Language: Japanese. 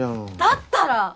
だったら！